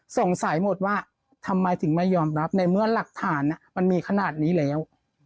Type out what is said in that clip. สงสัยหมดว่าทำไมถึงไม่ยอมรับในเมื่อหลักฐานมันมีขนาดนี้แล้ว